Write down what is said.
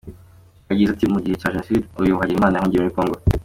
Yagize ati “mu gihe cya Jenoside uyu Hagenimana yahungiye muri Congo.